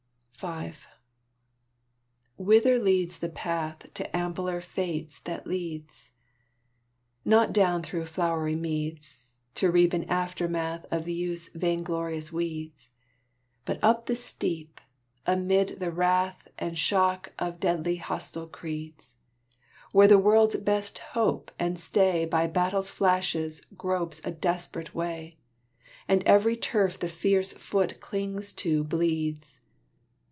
V Whither leads the path To ampler fates that leads? Not down through flowery meads, To reap an aftermath Of youth's vainglorious weeds, But up the steep, amid the wrath And shock of deadly hostile creeds, Where the world's best hope and stay By battle's flashes gropes a desperate way, And every turf the fierce foot clings to bleeds.